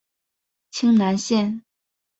清南线